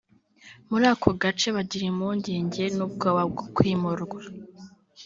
muri ako gace bagira impungenge n’ubwoba bwo kwimurwa